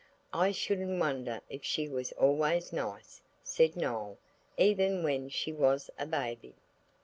"I shouldn't wonder if she was always nice," said Noël "even when she was a baby!"